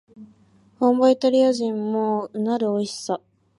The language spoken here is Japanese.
本場イタリア人もうなるおいしさ